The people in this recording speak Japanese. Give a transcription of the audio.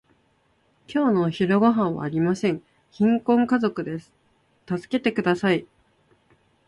今日のお昼ごはんはありません。貧困家庭です。助けてください。